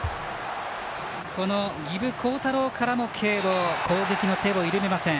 この儀部皓太朗からも慶応、攻撃の手を緩めません。